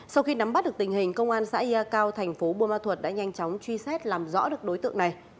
sau khi nắm bắt được tình hình công an xã ya cao thành phố buôn ma thuật đã nhanh chóng truy xét làm rõ được đối tượng này